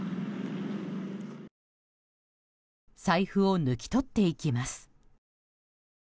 財布を抜き取っていきます。